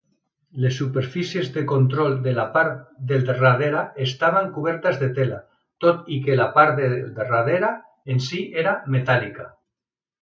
Les superfícies de control de la part del darrere estaven cobertes de tela, tot i que la part del darrera en sí era metàl·lica.